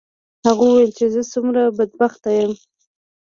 هغه وویل چې زه څومره بدبخته یم.